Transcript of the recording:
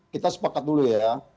kita sepakat dulu ya